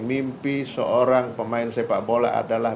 mimpi seorang pemain sepak bola adalah